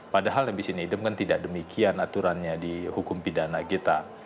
padahal habis ini idem kan tidak demikian aturannya di hukum pidana kita